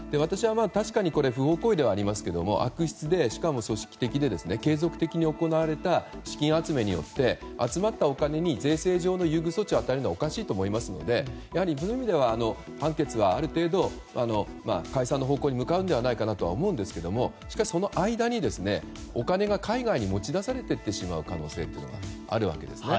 確かに不法行為ではありますけれども悪質で、しかも組織的で継続的に行われた資金集めによって集まったお金に税制上の優遇措置を与えるのはおかしいと思いますのでやはり、そういう意味では判決は、ある程度解散の方向に向かうのではないかと思いますがしかし、その間にお金が海外に持ち出されてしまっていく可能性があるわけですね。